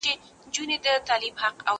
زه بايد واښه راوړم.